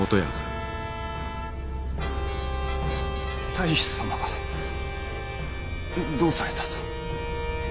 太守様がどうされたと？